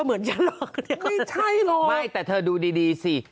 ไม่แต่จะดูดิดิสิ